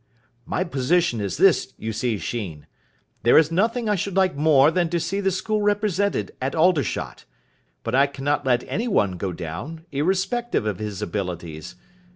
"My position is this, you see, Sheen. There is nothing I should like more than to see the school represented at Aldershot. But I cannot let anyone go down, irrespective of his abilities.